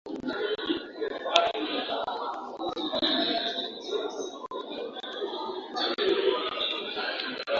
alisema kujiunga kwa Demokrasia ya Kongo kama mwanachama wa Afrika mashariki